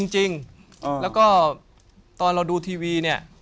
จริงแล้วก็ตอนเราดูทีวีเนี่ย